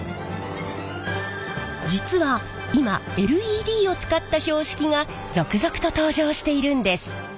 実は今ＬＥＤを使った標識が続々と登場しているんです。